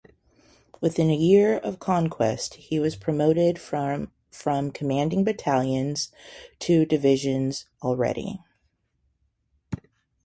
Within a year of conquest, he was promoted from commanding battalions to divisions already.